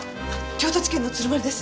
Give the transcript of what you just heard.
京都地検の鶴丸です。